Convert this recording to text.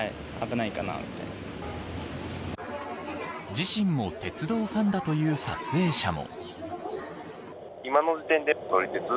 自身も鉄道ファンだという撮影者も。